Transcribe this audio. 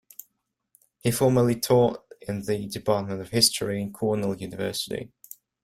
He formerly taught in the Department of History at Cornell University.